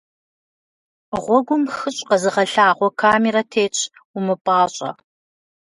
Гъуэгум «хыщӏ» къэзыгъэлъагъуэ камерэ тетщ, умыпӏащӏэ.